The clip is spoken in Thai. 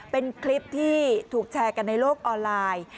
เป็นคลิปที่ถูกแชร์กันในโลกออนไลน์